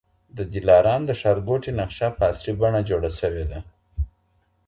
د دلارام د ښارګوټي نقشه په عصري بڼه جوړه سوې ده.